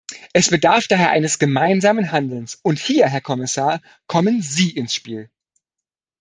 Es bedarf daher eines gemeinsamen Handelns, und hier, Herr Kommissar, kommen Sie ins Spiel.